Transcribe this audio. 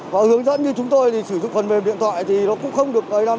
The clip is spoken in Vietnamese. và hướng dẫn như chúng tôi sử dụng phần mềm điện thoại thì nó cũng không được ấy lắm